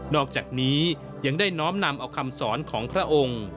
อกจากนี้ยังได้น้อมนำเอาคำสอนของพระองค์